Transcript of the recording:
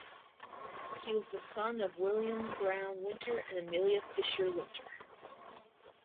He was the son of William Brown Winter and Amelia (Fisher) Winter.